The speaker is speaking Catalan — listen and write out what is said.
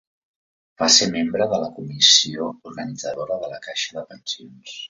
Va ser membre de la comissió organitzadora de la Caixa de Pensions.